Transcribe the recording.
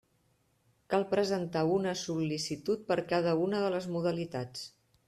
Cal presentar una sol·licitud per cada una de les modalitats.